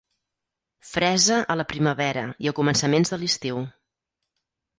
Fresa a la primavera i a començaments de l'estiu.